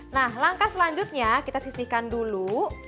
nah langkah selanjutnya kita sisihkan dulu